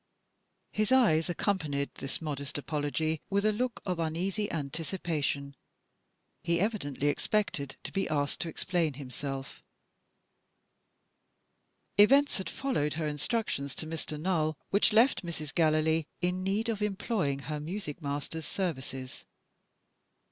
His eyes accompanied this modest apology with a look of uneasy anticipation: he evidently expected to be asked to explain himself. Events had followed her instructions to Mr. Null, which left Mrs. Gallilee in need of employing her music master's services.